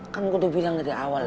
kan udah bilang dari awal